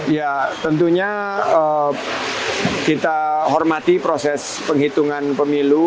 ya tentunya kita hormati proses penghitungan pemilu